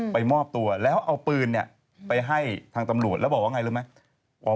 ไปมอบตัวแล้วเอาปืนเนี่ยไปให้ทางตำรวจแล้วบอกว่าไงรึมั้ย